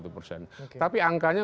tiga puluh satu persen tapi angkanya